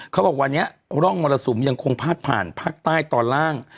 เขาบอกวันนี้ร่องมรสุมยังคงพาดผ่านภาคใต้ตอนล่าง